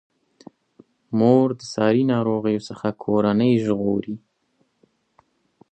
مور د ساري ناروغیو څخه کورنۍ ژغوري.